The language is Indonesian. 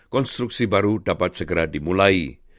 konstruksi baru dapat segera dimulai